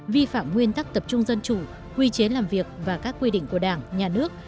vi phạm nguyên tắc tập trung dân chủ quy chế làm việc và các quy định của đảng nhà nước